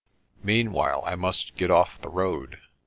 Meanwhile I must get off the road.